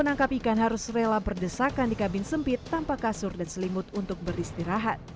menangkap ikan harus rela berdesakan di kabin sempit tanpa kasur dan selimut untuk beristirahat